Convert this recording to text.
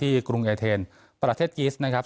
กรุงเอเทนประเทศกิสนะครับ